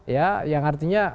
ya yang artinya